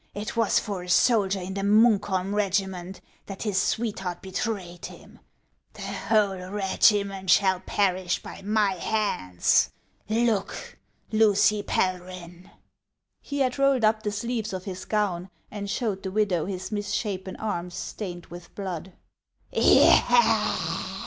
it was for a soldier in the Monkholm regiment that his sweet heart betrayed him. The whole regiment shall perish by my hands. Look, Lucy Pelryhn !" He had rolled up the sleeves of his gown, and showed the widow his misshapen arms stained with blood.